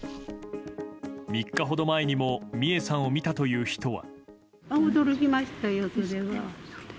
３日ほど前にも美恵さんを見たという人は。